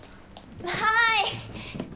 はい。